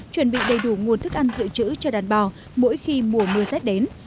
chuẩn bị đầy đủ nguồn thức ăn dự trữ cho đàn bò mỗi khi mùa mưa rét đến